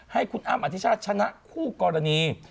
ให้คุณอ้ำอธิชาติชนะคู่กรณี